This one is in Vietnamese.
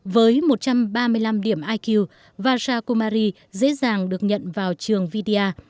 với một trăm ba mươi năm điểm iq vatsakumari dễ dàng được nhận vào trường vidya